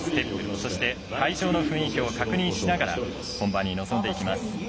そして、会場の雰囲気を確認しながら本番に臨んでいきます。